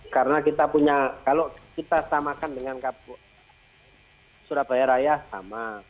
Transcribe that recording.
karena kita punya kalau kita samakan dengan surabaya raya sama